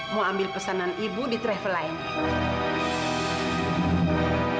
mau ambil pesanan ibu di travel lain